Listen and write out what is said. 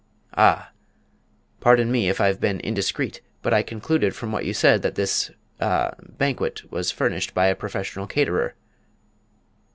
"Ah! pardon me if I've been indiscreet; but I concluded from what you said that this ah banquet was furnished by a professional caterer."